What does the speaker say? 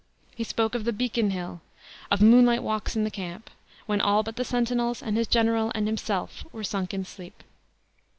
He spoke of the beacon hill; of moonlight walks in the camp, when all but the sentinels and his general and himself were sunk in sleep.